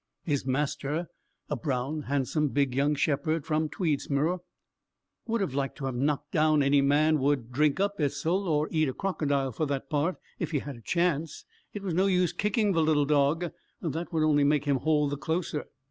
His master, a brown, handsome, big young shepherd from Tweedsmuir, would have liked to have knocked down any man, would "drink up Esil, or eat a crocodile," for that part, if he had a chance: it was no use kicking the little dog; that would only make him hold the closer.